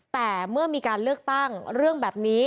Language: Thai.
แต่เมื่อมีการเลือกตั้งเรื่องแบบนี้